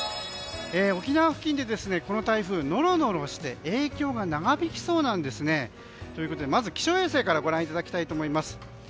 沖縄付近でこの台風ノロノロして影響が長引きそうなんですね。ということでまずは気象衛星からご覧いただきます。